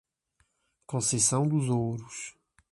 Conceição dos Ouros